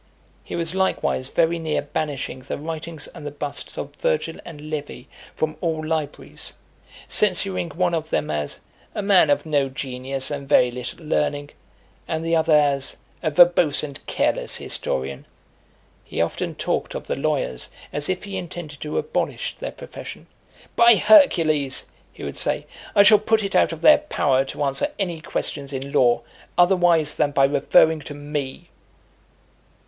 He was likewise very near banishing the writings and the busts of Virgil and Livy from all libraries; censuring one of them as "a man of no genius and very little learning;" and the other as "a verbose and careless historian." He often talked of the lawyers as if he intended to abolish their profession. "By Hercules!" he would say, "I shall put it out of their power to answer any questions in law, otherwise than by referring to me!"